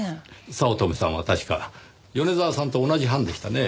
早乙女さんは確か米沢さんと同じ班でしたね？